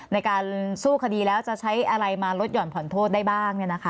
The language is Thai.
ในการสู้คดีแล้วจะใช้อะไรมาลดห่อนผ่อนโทษได้บ้าง